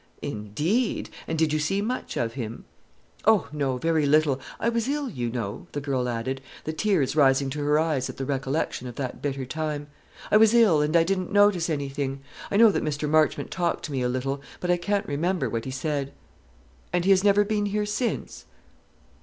"Indeed! and did you see much of him?" "Oh, no, very little. I was ill, you know," the girl added, the tears rising to her eyes at the recollection of that bitter time, "I was ill, and I didn't notice any thing. I know that Mr. Marchmont talked to me a little; but I can't remember what he said." "And he has never been here since?"